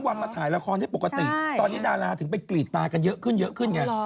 วันมาถ่ายละครได้ปกติตอนนี้ดาราถึงไปกรีดตากันเยอะขึ้นเยอะขึ้นไง